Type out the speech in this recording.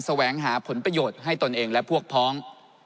แสวงหาผลประโยชน์ให้ตนเองและพวกพ้อง